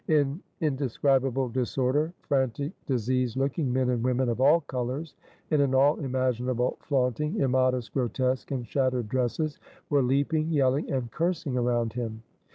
In indescribable disorder, frantic, diseased looking men and women of all colors, and in all imaginable flaunting, immodest, grotesque, and shattered dresses, were leaping, yelling, and cursing around him.